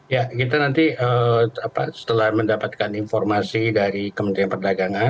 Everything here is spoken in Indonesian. ya kita nanti setelah mendapatkan informasi dari kementerian perdagangan